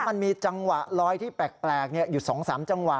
มันมีจังหวะลอยที่แปลกอยู่๒๓จังหวะ